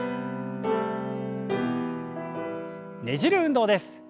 ねじる運動です。